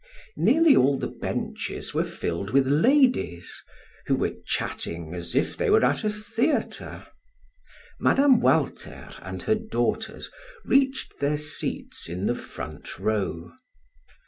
Nearly all the benches were filled with ladies, who were chatting as if they were at a theater. Mme. Walter and her daughters reached their seats in the front row.